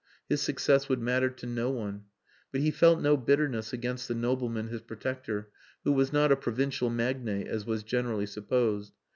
His success would matter to no one. But he felt no bitterness against the nobleman his protector, who was not a provincial magnate as was generally supposed.